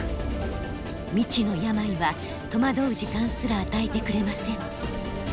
未知の病は戸惑う時間すら与えてくれません。